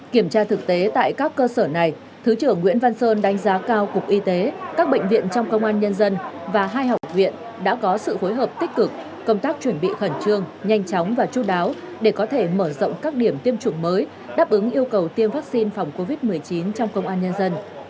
kiểm tra thực tế tại các cơ sở này thứ trưởng nguyễn văn sơn đánh giá cao cục y tế các bệnh viện trong công an nhân dân và hai học viện đã có sự phối hợp tích cực công tác chuẩn bị khẩn trương nhanh chóng và chú đáo để có thể mở rộng các điểm tiêm chủng mới đáp ứng yêu cầu tiêm vaccine phòng covid một mươi chín trong công an nhân dân